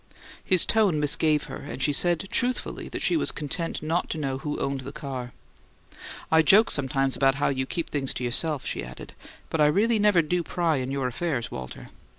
His tone misgave her; and she said truthfully that she was content not to know who owned the car. "I joke sometimes about how you keep things to yourself," she added, "but I really never do pry in your affairs, Walter."